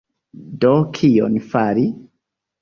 Do, kion fari?